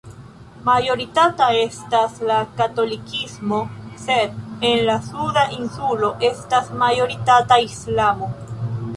Majoritata estas la katolikismo, sed en la suda insulo estas majoritata Islamo.